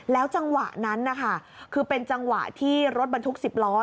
จังหวะนั้นนะคะคือเป็นจังหวะที่รถบรรทุก๑๐ล้อ